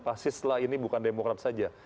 pasti setelah ini bukan demokrat saja